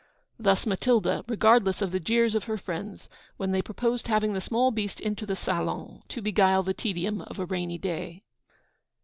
Thus Matilda, regardless of the jeers of her friends, when they proposed having the small beast into the salon to beguile the tedium of a rainy day.